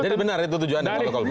jadi benar itu tujuan dato kolmik